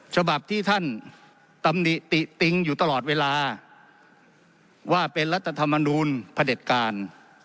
ฉบับที่ท่านตำหนิติติติงอยู่ตลอดเวลาว่าเป็นรัฐธรรมนูลพระเด็จการ